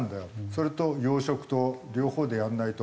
それと養殖と両方でやらないと。